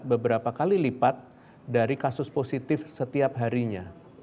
beberapa kali lipat dari kasus positif setiap harinya